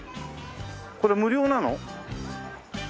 これ無料なの？